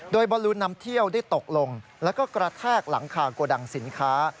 โดยบอลลูนนำเที่ยวได้ตกลงแล้วก็กระแทกหลังคาโกดังสินค้า